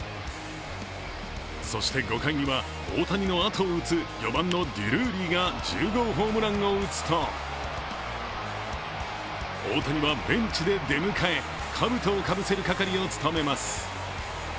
そして、５回には大谷の後を打つデュルーリーが１０号ホームランを打つと大谷はベンチで出迎え、かぶとをかぶせる係を務めます。